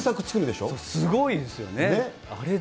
そう、すごいですよね。